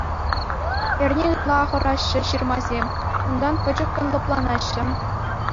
Эрне ытла ахӑраҫҫӗ ҫырмасем, унтан пӗчӗккӗн лӑпланаҫҫӗ.